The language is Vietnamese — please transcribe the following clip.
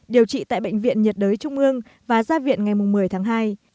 điều trị tại bệnh viện nhiệt đới trung ương và ra viện ngày một mươi tháng hai